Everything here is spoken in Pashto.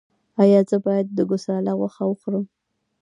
ایا زه باید د ګوساله غوښه وخورم؟